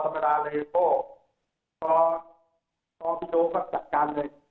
แต่ต่อธรรมดาเลยครับพ่อต่อต่อพี่โดค่ะจัดการเลย